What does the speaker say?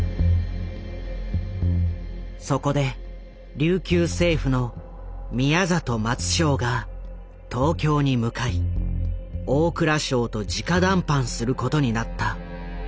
そこで琉球政府の宮里松正が東京に向かい大蔵省とじか談判することになった。